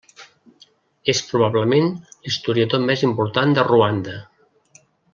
És probablement l'historiador més important de Ruanda.